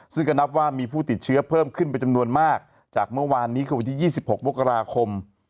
ซึ่งก็นับว่ามีผู้ติดเชื้อเพิ่มขึ้นเป็นจำนวนมากจากเมื่อวานนี้คือวันที่๒๖มกราคม